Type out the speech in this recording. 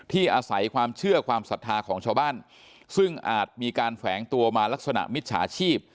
อาศัยความเชื่อความศรัทธาของชาวบ้านซึ่งอาจมีการแฝงตัวมาลักษณะมิจฉาชีพ